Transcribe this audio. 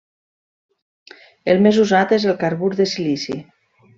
El més usat és el carbur de silici.